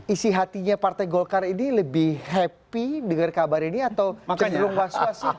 isi hatinya partai golkar ini lebih happy dengar kabar ini atau cenderung waswas sih